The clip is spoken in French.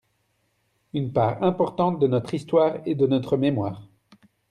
Une part importante de notre histoire et de notre mémoire.